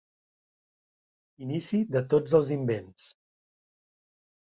Inici de tots els invents.